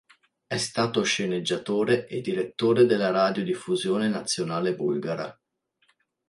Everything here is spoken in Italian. È stato sceneggiatore e direttore della Radiodiffusione Nazionale Bulgara.